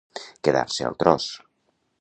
Quedar-se al tros.